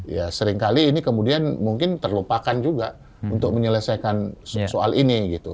ya seringkali ini kemudian mungkin terlupakan juga untuk menyelesaikan soal ini gitu